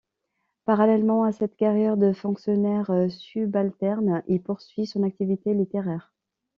Parallèlement à cette carrière de fonctionnaire subalterne, il poursuit son activité littéraire.